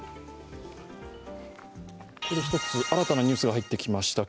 ここで１つ、新たなニュースが入ってきました。